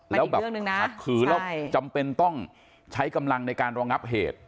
แล้วแบบอีกเรื่องหนึ่งนะใช่คือเราจำเป็นต้องใช้กำลังในการรองับเหตุ